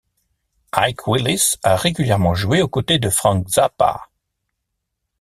Ike Willis a régulièrement joué aux côtés de Frank Zappa.